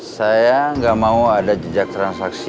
saya nggak mau ada jejak transaksi